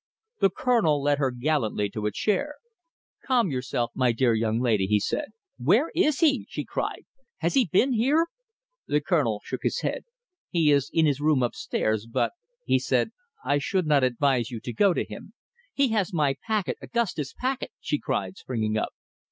The Colonel led her gallantly to a chair. "Calm yourself, my dear young lady," he said. "Where is he?" she cried. "Has he been here?" The Colonel shook his head. "He is in his room upstairs, but," he said, "I should not advise you to go to him." "He has my packet Augustus' packet," she cried, springing up.